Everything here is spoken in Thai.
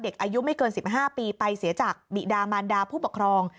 อายุไม่เกิน๑๕ปีไปเสียจากบิดามานดาผู้ปกครอง